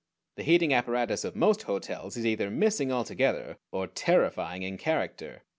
The heating apparatus of most hotels is either missing altogether, or terrifying in character.